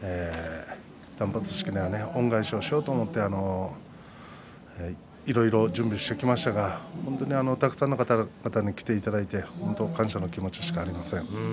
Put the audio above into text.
断髪式では恩返ししようと思っていろいろと準備していきましたが本当にたくさんの方々に来ていただいて感謝の気持ちしかありません。